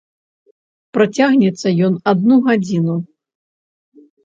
Працягнецца ён адну гадзіну.